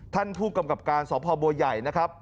ท่านผู้กำกับการสพบัวใหญ่นะครับ